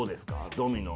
ドミノ。